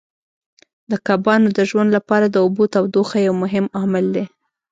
د کبانو د ژوند لپاره د اوبو تودوخه یو مهم عامل دی.